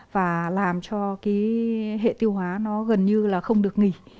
và làm cho cái hệ tiêu hóa nó gần như là không được nghỉ